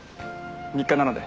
日課なので。